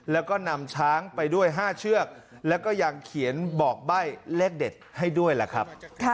แล้วก็นำช้างไปด้วย๕เชือกแล้วก็ยังเขียนบอกใบ้เลขเด็ดให้ด้วยล่ะครับ